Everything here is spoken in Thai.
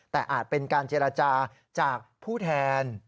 แต่อาจเป็นการเจรจาจากผู้แทน